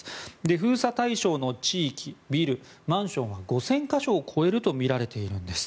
封鎖対象の地域、ビル、マンションは５０００か所を超えるとみられているんです。